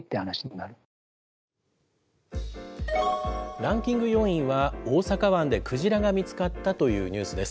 ランキング４位は、大阪湾でクジラが見つかったというニュースです。